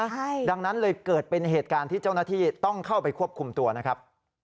ใช่ดังนั้นเลยเกิดเป็นเหตุการณ์ที่เจ้าหน้าที่ต้องเข้าไปควบคุมตัวนะครับ